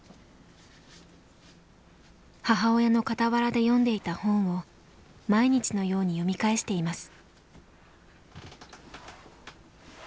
母親の傍らで読んでいた本を毎日のように読み返しています。